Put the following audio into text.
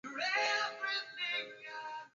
Walivamia balozi mbili za kidiplomasia